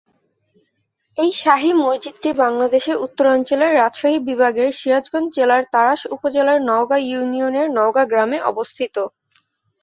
এই শাহী মসজিদটি বাংলাদেশের উত্তরাঞ্চলের রাজশাহী বিভাগের সিরাজগঞ্জ জেলার তাড়াশ উপজেলার নওগাঁ ইউনিয়নের নওগাঁ গ্রামে অবস্থিত।